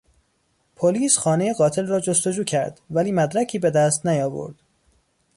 پلیس خانهی قاتل را جستجو کرد ولی مدرکی به دست نیاورد.